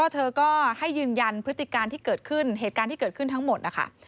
เธอก็ให้ยืนยันพฤติการที่เกิดขึ้นเหตุการณ์ที่เกิดขึ้นทั้งหมดนะคะ